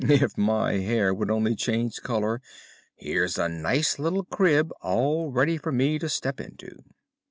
If my hair would only change colour, here's a nice little crib all ready for me to step into.